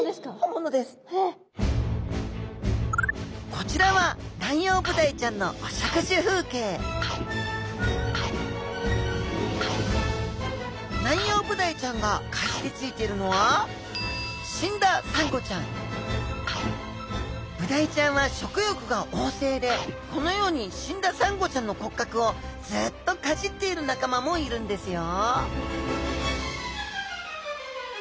こちらはナンヨウブダイちゃんのお食事風景ナンヨウブダイちゃんがかじりついているのはブダイちゃんは食欲が旺盛でこのように死んだサンゴちゃんの骨格をずっとかじっている仲間もいるんですよ